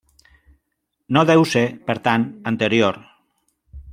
No deu ser per tant, anterior.